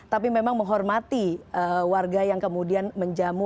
tapi memang menghormati warga yang kemudian menjamu